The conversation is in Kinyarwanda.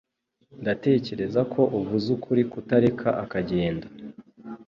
Ndatekereza ko uvuze ukuri kutareka akagenda